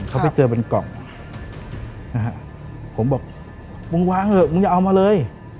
เขาไปเจอเป็นกล่องนะฮะผมบอกมึงวางเถอะมึงอย่าเอามาเลย